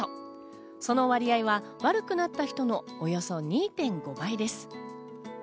その割合は悪くなった人のおよそ２．５倍です。